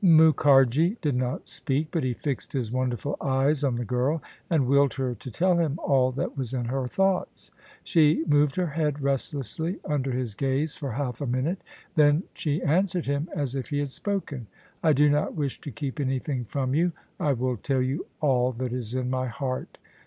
Mukharji did not speak: but he fixed his wonderful eyes on the girl and willed her to tell him all that was in her thoughts. She moved her head restlessly under his gaze for half a minute: then she answered him as if he had spoken. "I do not wish to keep anything from you : I will tell you all that is in my heart.